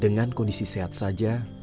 dengan kondisi sehat saja